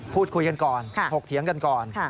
พูดคุยกันก่อนถกเถียงกันก่อน